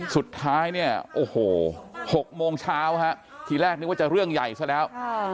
สุดท้ายเนี่ยโอ้โห๖โมงเช้าฮะทีแรกนึกว่าจะเรื่องใหญ่ซะแล้ว